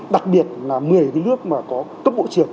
đặc biệt là một mươi nước mà có cấp bộ trưởng